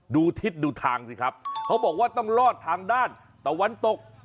ดูทิศดูทางสิครับเขาบอกว่าต้องรอดทางด้านตะวันตก